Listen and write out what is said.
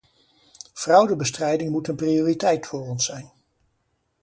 Fraudebestrijding moet een prioriteit voor ons zijn.